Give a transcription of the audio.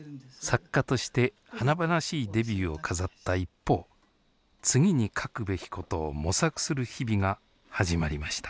作家として華々しいデビューを飾った一方次に書くべきことを模索する日々が始まりました。